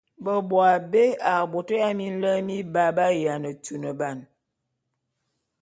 Beboabé a bôt ya minlem mibaé b’ayiane tuneban.